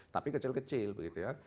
tapi kecil kecil begitu ya